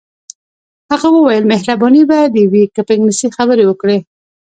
هغه وویل مهرباني به دې وي که په انګلیسي خبرې وکړې.